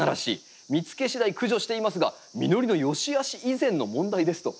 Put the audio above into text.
見つけしだい駆除していますが実りのよしあし以前の問題です」と。